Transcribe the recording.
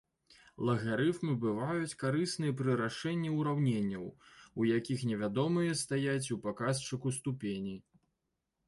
Лагарыфмы бываюць карысныя пры рашэнні ўраўненняў, у якіх невядомыя стаяць у паказчыку ступені.